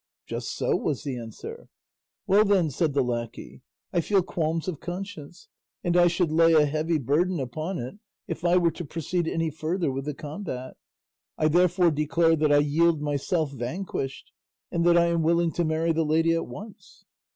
"Just so," was the answer. "Well then," said the lacquey, "I feel qualms of conscience, and I should lay a heavy burden upon it if I were to proceed any further with the combat; I therefore declare that I yield myself vanquished, and that I am willing to marry the lady at once."